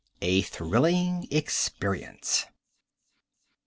A Thrilling Experience.